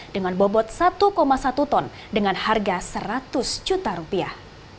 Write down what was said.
dengan bobot satu satu ton dengan harga seratus juta rupiah